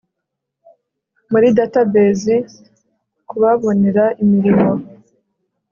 muri database kubabonera imirimo